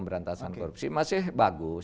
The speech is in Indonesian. lantasan korupsi masih bagus